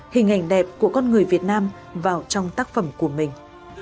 hình ảnh đẹp của con người việt nam vào trong tác phẩm của mình